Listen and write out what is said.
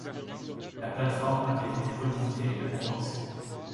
La plate-forme avait été revisitée et renforcée.